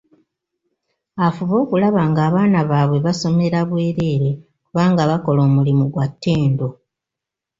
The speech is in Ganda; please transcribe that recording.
Afube okulaba ng'abaana baabwe basomera bwereere kubanga bakola omulimu gwa ttendo.